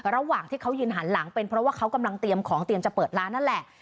ระหว่างที่เขายืนหันหลังเป็นเพราะว่าเขากำลังเตรียมของเตรียมจะเปิดร้านนั่นแหละ